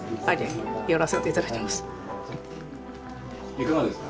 いかがですか？